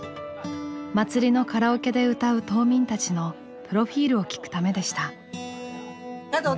祭りのカラオケで歌う島民たちのプロフィールを聞くためでした。